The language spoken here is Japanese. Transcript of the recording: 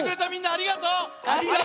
ありがとう！